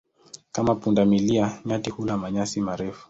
Kama punda milia, nyati hula manyasi marefu.